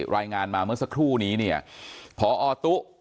รายงานมาเมื่อสักครู่นี้พอตุ